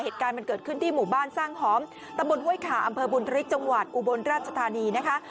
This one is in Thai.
เหตุการณ์มันเกิดขึ้นที่หมู่บ้านสร้างหอมตำบลห้วยขาอำเภอบุญธริกจังหวัดอุบลราชธานีนะคะ